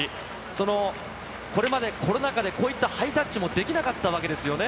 その、これまでコロナ禍でこういったハイタッチもできなかったわけですよね。